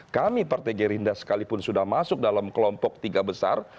kami partai gerindra sekalipun sudah masuk dalam kelompok tiga besar